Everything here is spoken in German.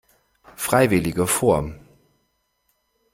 Freiwillige vor!